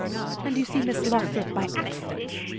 and you see Miss Lothrop by accident!